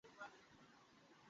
না, তোমার হাতে সবসময়ই সুযোগ ছিল।